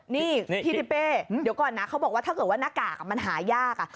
นี่พี่ทิเป้เดี๋ยวก่อนนะเขาบอกว่าถ้าเกิดว่าหน้ากากมันหายาก